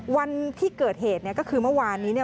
วันที่เกิดเหตุก็คือเมื่อวานนี้